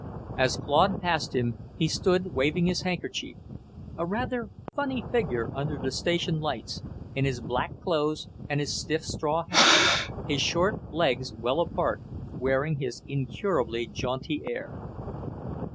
As Claude passed him, he stood waving his handkerchief, a rather funny figure under the station lights, in his black clothes and his stiff straw hat, his short legs well apart, wearing his incurably jaunty air.